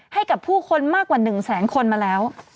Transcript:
ให้กับผู้คนมากกว่า๑แสนคนมาแล้ว